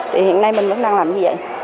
thì hiện nay mình vẫn đang làm như vậy